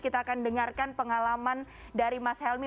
kita akan dengarkan pengalaman dari mas helmi